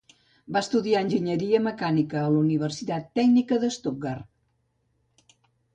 Va estudiar enginyeria mecànica a la Universitat Tècnica de Stuttgart.